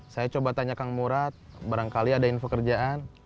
saya coba tanya kang murad barangkali ada info kerjaan